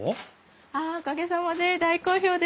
あっおかげさまで大好評です。